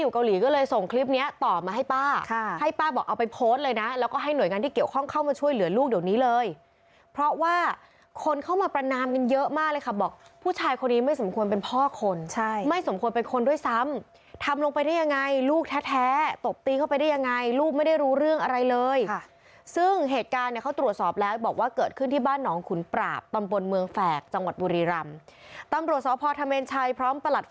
ก็เลยส่งคลิปเนี้ยต่อมาให้ป้าให้ป้าบอกเอาไปโพสเลยนะแล้วก็ให้หน่วยงานที่เกี่ยวข้องเข้ามาช่วยเหลือลูกเดี๋ยวนี้เลยเพราะว่าคนเข้ามาประนามกันเยอะมากเลยค่ะบอกผู้ชายคนนี้ไม่สมควรเป็นพ่อคนไม่สมควรเป็นคนด้วยซ้ำทำลงไปได้ยังไงลูกแท้ตบตีเข้าไปได้ยังไงลูกไม่ได้รู้เรื่องอะไรเลยซึ่งเหตุการณ์เนี่ยเขาตรวจสอบ